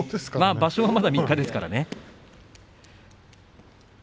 場所はまだ３日ですけどもね。